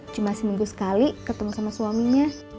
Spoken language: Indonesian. cuma seminggu sekali ketemu sama suaminya